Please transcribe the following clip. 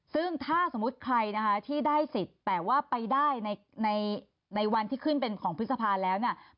ซึ่งถ้าสมมุติใครนะคะที่ได้สิทธิ์แต่ว่าไปได้ในวันที่ขึ้นเป็นของพฤษภาแล้วเนี่ย